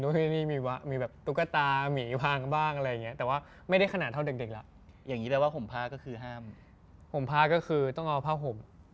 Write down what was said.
คือจะไม่ให้เท้าหลุดออกมาจากข้างผม